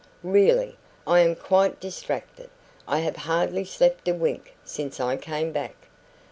Really, I am quite distracted. I have hardly slept a wink since I came back."